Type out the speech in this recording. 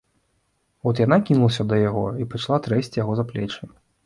От яна кінулася да яго і пачала трэсці яго за плечы.